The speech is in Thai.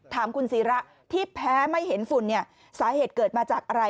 ถามคุณศิระที่แพ้ไม่เห็นฝุ่นเนี่ยสาเหตุเกิดมาจากอะไร